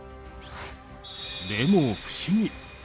でも不思議。